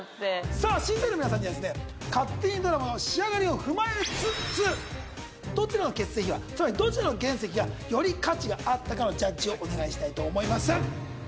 さあ審査員の皆さんにはですね「勝手にドラマ」の仕上がりを踏まえつつどちらの結成秘話つまりどちらの原石がより価値があったかのジャッジをお願いしたいと思います。